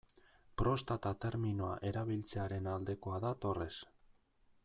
Prostata terminoa erabiltzearen aldekoa da Torres.